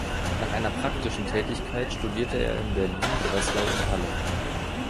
Nach einer praktischen Tätigkeit studierte er in Berlin, Breslau und Halle.